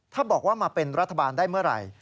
ถ้าบอกว่ามาเป็นรัฐบาลได้เมื่อไหร่